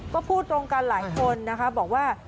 ก็พูดตรงกันหลายคนนะคะบอกว่า